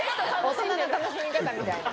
大人の楽しみ方みたいな。